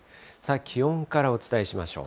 気温からお伝えしましょう。